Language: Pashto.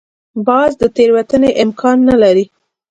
باز د تېروتنې امکان نه لري